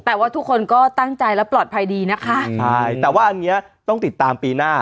แต่ว่าทุกคนก็ตั้งใจและปลอดภัยดีนะคะใช่แต่ว่าอันเนี้ยต้องติดตามปีหน้า